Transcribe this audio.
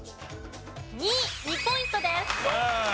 ２。２ポイントです。